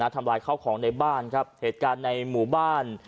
ทำลายข้าวของในบ้านครับเหตุการณ์ในหมู่บ้าน